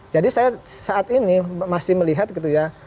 jadi saya saat ini masih melihat gitu ya